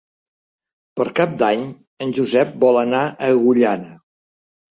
Per Cap d'Any en Josep vol anar a Agullana.